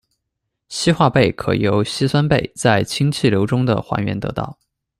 硒化钡可由硒酸钡在氢气流中的还原得到。